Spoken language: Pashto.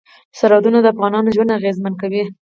سرحدونه د افغانانو ژوند اغېزمن کوي.